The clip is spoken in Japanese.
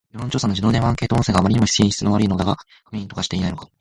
世論調査の自動電話アンケート音声があまりにも品質悪いのだが、確認とかしていないのか